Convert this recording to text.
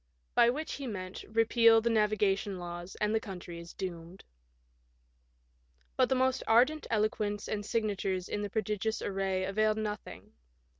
" By which he meant, repeal the navigation laws and the country is doomed. But the most ardent eloquence and signatures in pro digious array availed nothing.